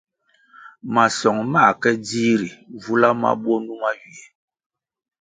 Masong mā ke dzih, ri vula mabwo numa ywiè.